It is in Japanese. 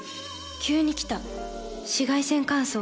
急に来た紫外線乾燥。